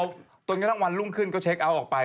พอตอนนี้ตั้งวันรุ่งขึ้นก็เช็คเอาออกไป